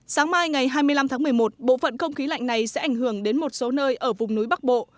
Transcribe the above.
sáng mai ngày hai mươi năm tháng một mươi một bộ phận không khí lạnh này sẽ ảnh hưởng đến một số nơi ở vùng núi bắc bộ